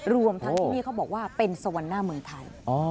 รวมทั้งที่นี่เขาบอกว่าเป็นสวรรค์หน้าเมืองไทย